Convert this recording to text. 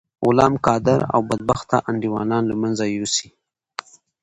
غلام قادر او بدبخته انډيوالان له منځه یوسی.